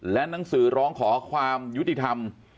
และหนังสือร้องขอความยุติธรรม